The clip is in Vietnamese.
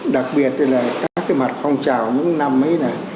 đặc biệt là các cái mặt phong trào những năm ấy này